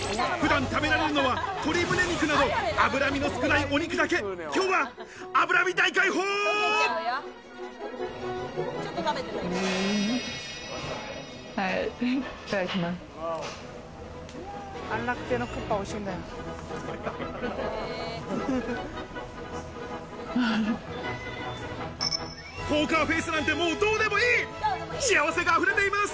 普段食べられるのは鶏胸肉など脂身の少ないお肉だけ、今日は脂身いただきます。